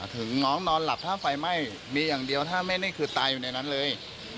ถึงน้องนอนหลับถ้าไฟไหม้มีอย่างเดียวถ้าไม่นี่คือตายอยู่ในนั้นเลย